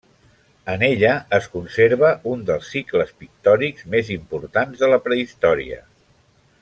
En ella es conserva un dels cicles pictòrics més importants de la Prehistòria.